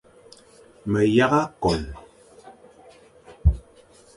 Me yagha kon,